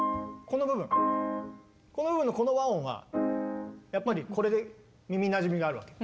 この部分のこの和音はやっぱりこれで耳なじみがあるわけ。